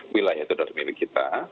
wilayah terdiri dari kita